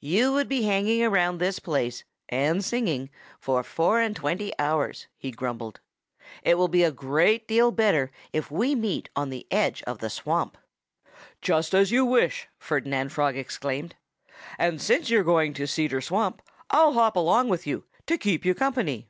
"You would be hanging about this place and singing for four and twenty hours," he grumbled. "It will be a great deal better if we meet on the edge of the swamp." "Just as you wish!" Ferdinand Frog exclaimed. "And since you're going to Cedar Swamp, I'll hop along with you, to keep you company."